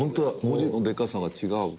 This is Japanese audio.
文字のでかさが違う。